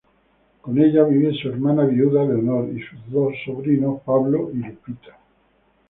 Con ella vive su hermana viuda, Leonor, y sus dos sobrinos, Pablo y Lupita.